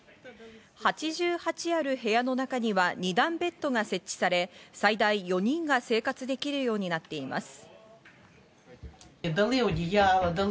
８８ある部屋の中には二段ベッドが設置され、最大４人が生活できるようになっています。